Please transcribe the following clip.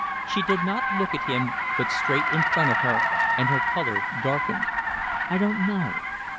She did not look at him, but straight in front of her, and her colour darkened. "I don't know."